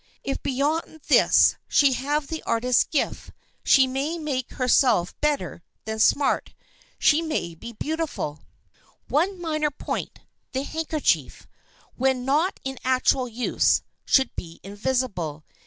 If beyond this she have the artist's gift, she may make herself better than "smart," she may be beautiful. [Sidenote: MINOR POINTS IN DRESS] One minor point: the handkerchief, when not in actual use, should be invisible.